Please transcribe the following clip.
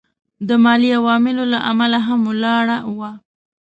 د مالي عواملو له امله هم ولاړه وه.